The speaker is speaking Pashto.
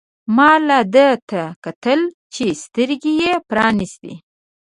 ما لا ده ته کتل چې سترګې يې پرانیستې.